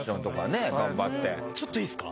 ちょっといいですか？